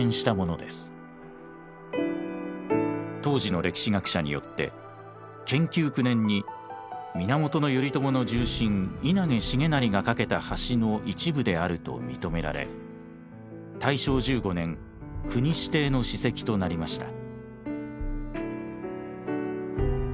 当時の歴史学者によって建久９年に源頼朝の重臣稲毛重成が架けた橋の一部であると認められ大正１５年国指定の史跡となりました。